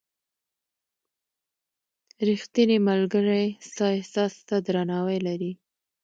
• ریښتینی ملګری ستا احساس ته درناوی لري.